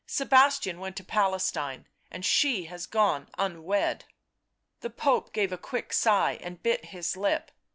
, Sebastian went to Palestine, and she has gone unwed." The Pope gave a quick sigh and bit his lip.